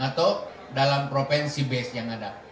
atau dalam provinsi base yang ada